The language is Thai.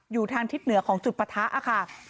อยู่ทางทิศเหนือของจุดปะทะ